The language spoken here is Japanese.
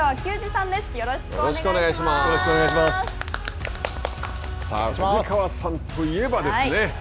さあ藤川さんといえばですね